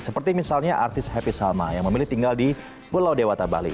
seperti misalnya artis happy salma yang memilih tinggal di pulau dewata bali